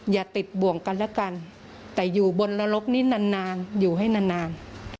อย่าติดบ่วงกันแล้วกันแต่อยู่บนลกนี้นานอยู่ให้นาน